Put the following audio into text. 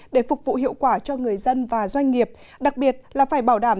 để phục vụ hiệu quả cho người dân và doanh nghiệp đặc biệt là phải bảo đảm